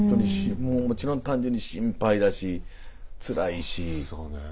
もちろん単純に心配だしつらいし。